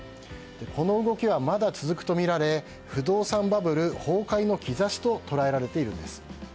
この動きはまだ続くとみられ不動産バブル崩壊の兆しと捉えられているんです。